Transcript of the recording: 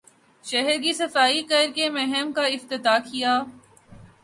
شہر کی صفائی کر کے مہم کا افتتاح کیا